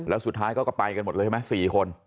แล้วสุดท้ายเขาก็ไปกันหมดเลยใช่ไหม๔คน